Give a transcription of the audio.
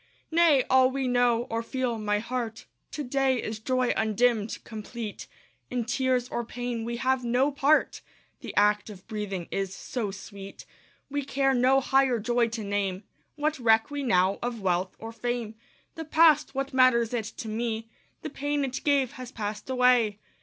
Nay! all we know, or feel, my heart, To day is joy undimmed, complete; In tears or pain we have no part; The act of breathing is so sweet, We care no higher joy to name. What reck we now of wealth or fame? The past what matters it to me? The pain it gave has passed away.